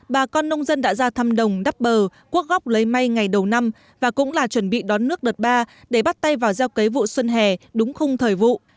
bà con nông dân đã ra thăm đồng đắp bờ quốc lấy may ngày đầu năm và cũng là chuẩn bị đón nước đợt ba để bắt tay vào gieo cấy vụ xuân hè đúng khung thời vụ